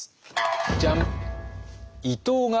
ジャン。